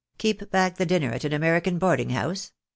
Keep back the dinner at an American boarding house